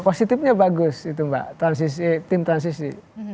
positifnya bagus itu mbak tim transisi